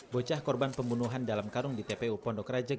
bocah korban pembunuhan dalam karung di tpu pondok rajek